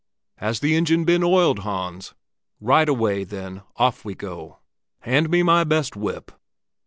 Has the engine been oiled, Hans? Right away, then, off we go; hand me my best whip!"